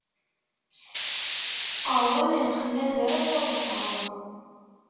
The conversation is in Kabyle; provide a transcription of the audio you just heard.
Ṛwan lexnazer taḍsa.